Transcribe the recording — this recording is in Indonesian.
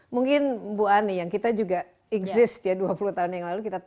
mungkin bu ani yang kita juga isis ya dua puluh tahun yang lalu